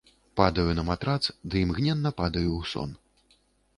Падаю на матрац ды імгненна падаю ў сон.